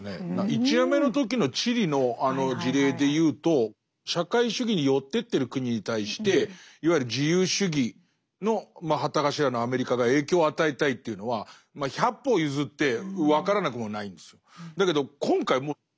１夜目の時のチリのあの事例でいうと社会主義に寄ってってる国に対していわゆる自由主義の旗頭のアメリカが影響を与えたいというのはまあ百歩譲って分からなくもないんですよ。